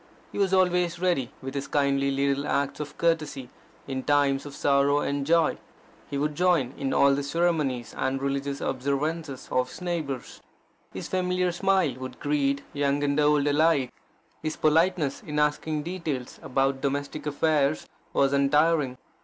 He was always ready with his kindly little acts of courtesy in times of sorrow and joy. He would join in all the ceremonies and religious observances of his neighbours. His familiar smile would greet young and old alike. His politeness in asking details about domestic affairs was untiring.